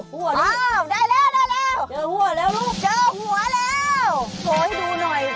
ก่อนให้ดูหน่อยก็เจอหัวจริง